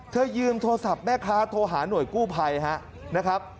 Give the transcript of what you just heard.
ยืมโทรศัพท์แม่ค้าโทรหาหน่วยกู้ภัยนะครับ